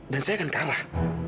dan saya akan kalah